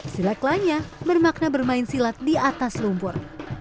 silek lanya bermakna bermain silat di atas lumpur